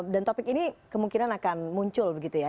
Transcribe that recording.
dan topik ini kemungkinan akan muncul gitu ya